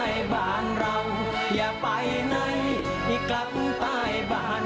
โอ้แม่น้ำตาปียังไหลหลากมา